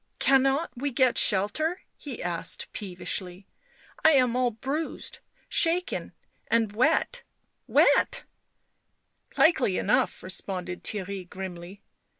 " Cannot we get shelter ?" he asked peevishly. " I am all bruised, shaken and wet — wet "" Likely enough," responded Theirry grimly.